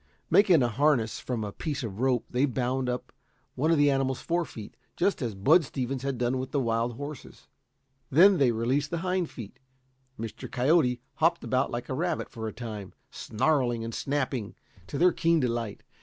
Making a harness from a piece of the rope, they bound up one of the animal's forefeet, just as Bud Stevens had done with wild horses. Then they released the hind feet. Mr. Coyote hopped about like a rabbit for a time, snarling and snapping, to their keen delight.